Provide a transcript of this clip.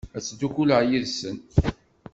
Ad ttdukkuleɣ yid-sen.